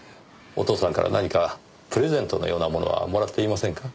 お父さんから何かプレゼントのようなものはもらっていませんか？